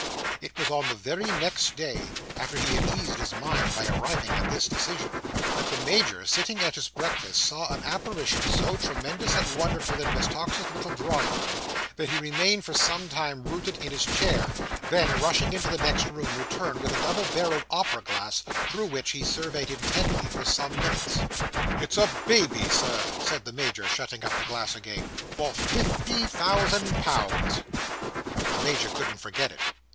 It was on the very next day after he had eased his mind by arriving at this decision, that the Major, sitting at his breakfast, saw an apparition so tremendous and wonderful in Miss Tox's little drawing room, that he remained for some time rooted to his chair; then, rushing into the next room, returned with a double barrelled opera glass, through which he surveyed it intently for some minutes. "It's a Baby, Sir," said the Major, shutting up the glass again, "for fifty thousand pounds!" The Major couldn't forget it.